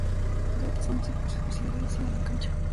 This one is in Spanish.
Gatt es conocido por su explosiva velocidad en la cancha.